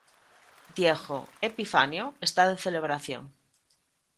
Diego Epifanio está de celebración.